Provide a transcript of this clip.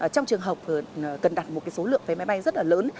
trong trường hợp cần đặt một số lượng vé máy bay rất là lớn